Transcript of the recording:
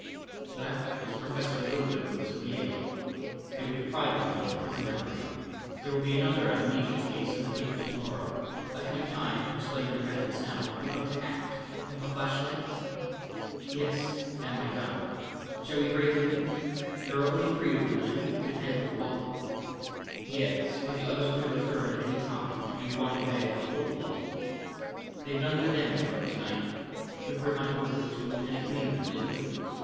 "That was Professor Williams of Yale. They were depriving him of his memory. There will be another amnesia case in the papers to morrow. I haven't time to explain their methods now: we've got to act. You have a flash light?" "Yes, and my gun. Shall we break in? There are only three of them, and I think we could handle the lot." "Yes, but the others may return at any time and we want to bag the whole lot. They've done their damage for to night. You heard my orders to Lieutenant Maynard, didn't you?"